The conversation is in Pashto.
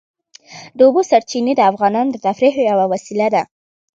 د اوبو سرچینې د افغانانو د تفریح یوه وسیله ده.